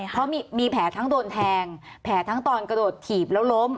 เพราะมีแผลทั้งโดนแทงแผลทั้งตอนกระโดดถีบแล้วล้ม